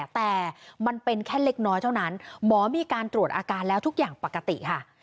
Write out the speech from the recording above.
แต่มันเป็นแค่เล็กน้อยเท่านั้นหมอมีการตรวจอาการแล้วทุกอย่างปกติค่ะ